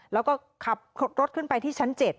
แล้วก็ขับรถขึ้นไปที่ชั้น๗